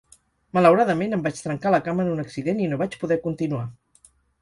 Malauradament em vaig trencar la cama en un accident i no vaig poder continuar.